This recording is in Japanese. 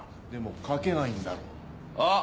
でも書けないんだろうな。